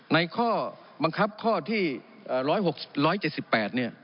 ข้อบังคับข้อที่๑๖๗๘เนี่ย